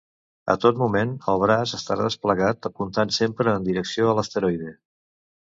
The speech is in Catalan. A tot moment el braç estarà desplegat apuntant sempre en direcció a l'asteroide.